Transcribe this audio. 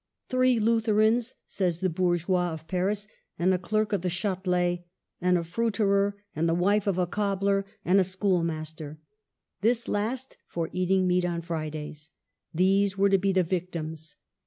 Three Lutherans," says the Bourgeois of Paris, ^' and a clerk of the Chatelet, and a fruit erer, and the wife of a cobbler, and a school master, — this last for eating meat on Fridays," — these were to be the victims.